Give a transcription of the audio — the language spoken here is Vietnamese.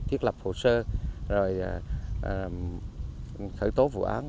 thiết lập hồ sơ rồi khởi tố vụ án